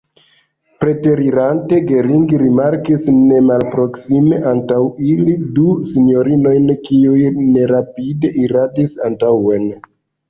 Preterirante, Gering rimarkis ne malproksime antaŭ ili du sinjorinojn, kiuj nerapide iradis antaŭen.